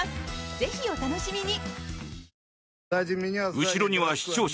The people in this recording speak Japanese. ぜひ、お楽しみに。